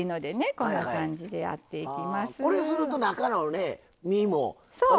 これすると中のね